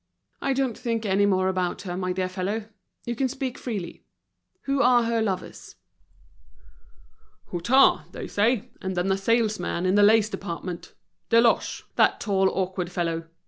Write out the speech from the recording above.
"I don't think any more about her, my dear fellow. You can speak freely. Who are her lovers?" "Hutin, they say, and then a salesman in the lace department—Deloche, that tall awkward fellow.